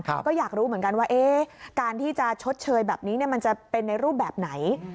ก็อยากรู้เหมือนกันว่าการที่จะชดเชยแบบนี้มันจะเป็นในรูปแบบไหน